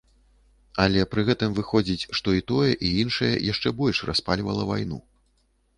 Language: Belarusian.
Але пры гэтым выходзіць, што і тое, і іншае яшчэ больш распальвала вайну.